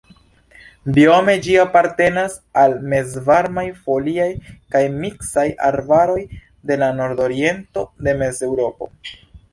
Biome ĝi apartenas al mezvarmaj foliaj kaj miksaj arbaroj de la nordoriento de Mezeŭropo.